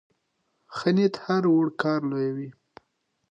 ښه نیت هره وړه کار لویوي.